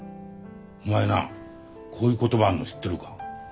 お前なこういう言葉あんの知ってるか？